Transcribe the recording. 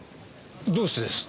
どうしてです？